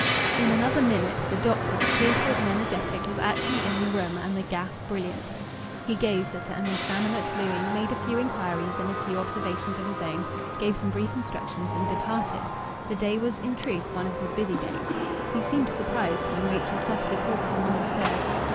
In another minute the doctor, cheerful and energetic, was actually in the room, and the gas brilliant. He gazed at an exanimate Louis, made a few inquiries and a few observations of his own, gave some brief instructions, and departed. The day was in truth one of his busy days. He seemed surprised when Rachel softly called to him on the stairs.